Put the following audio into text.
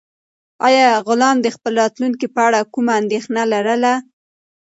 آیا غلام د خپل راتلونکي په اړه کومه اندېښنه لرله؟